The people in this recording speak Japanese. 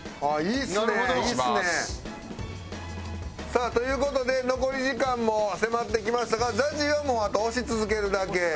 さあという事で残り時間も迫ってきましたがＺＡＺＹはもうあと押し続けるだけ。